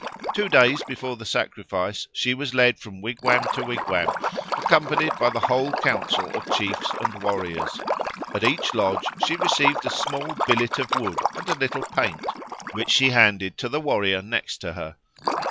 Two days before the sacrifice she was led from wigwam to wigwam, accompanied by the whole council of chiefs and warriors. At each lodge she received a small billet of wood and a little paint, which she handed to the warrior next to her.